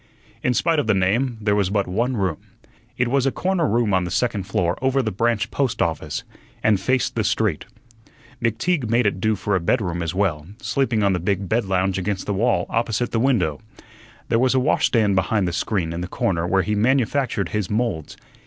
In spite of the name, there was but one room. It was a corner room on the second floor over the branch post office, and faced the street. McTeague made it do for a bedroom as well, sleeping on the big bed lounge against the wall opposite the window. There was a washstand behind the screen in the corner where he manufactured his moulds.